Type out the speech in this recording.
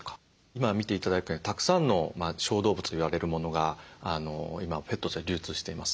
今見て頂いたようにたくさんの小動物といわれるものが今ペットとして流通しています。